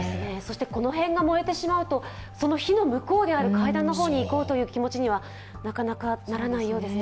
この辺が燃えてしまうと、火の向こうである階段の方に行こうという気持ちにはなかなかならないようですね。